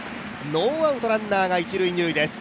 ノーアウト、ランナーが一・二塁です。